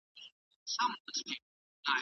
لاسي کار د ژوند اړتیا ده.